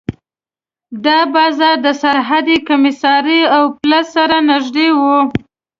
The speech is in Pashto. دا بازار د سرحدي کمېسارۍ او پله سره نږدې و.